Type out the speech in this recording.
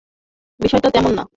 বিষয়টা তেমন না!